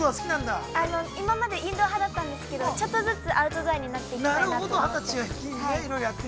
◆あの、今までインドア派だったんですけど、ちょっとずつアウトドア派になっていきたいと思って。